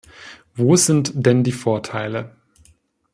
Wo sind denn die Vorteile?